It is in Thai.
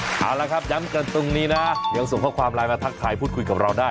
เอาละครับย้ำกันตรงนี้นะยังส่งข้อความไลน์มาทักทายพูดคุยกับเราได้